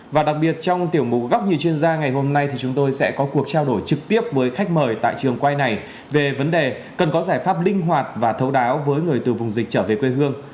và đặc biệt trong tiểu mục góc nhìn chuyên gia ngày hôm nay thì chúng tôi sẽ có cuộc trao đổi trực tiếp với khách mời tại trường quay này về vấn đề cần có giải pháp linh hoạt và thấu đáo với người từ vùng dịch trở về quê hương